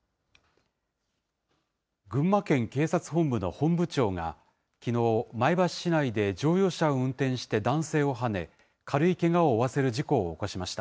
群馬県警察本部の本部長が、きのう、前橋市内で乗用車を運転して男性をはね、軽いけがを負わせる事故を起こしました。